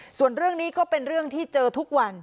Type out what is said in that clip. ส่วนเรื่องนี้ก็เป็นเรื่องที่เจอทุกวัน